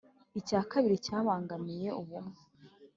Icya kabiri cyabangamiye ubumwe